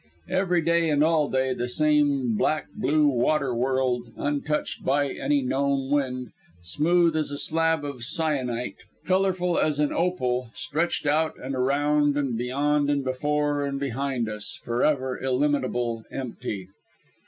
Every day and all day the same black blue water world, untouched by any known wind, smooth as a slab of syenite, colourful as an opal, stretched out and around and beyond and before and behind us, forever, illimitable, empty.